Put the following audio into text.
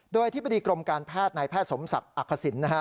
โดยอธิบดีกรมการแพทย์นายแพทย์สมศักดิ์อักษิณนะฮะ